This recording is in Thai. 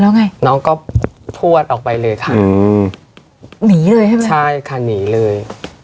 แล้วไงน้องก็ทวดออกไปเลยค่ะอืมหนีเลยใช่ไหมใช่ค่ะหนีเลย